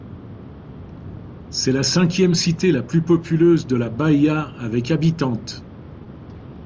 C'est la cinquième cité la plus populeuse de la Bahia avec habitantes.